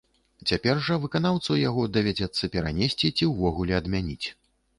Цяпер жа выканаўцу яго давядзецца перанесці ці ўвогуле адмяніць.